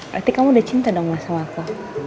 berarti kamu udah cinta dong mas sama aku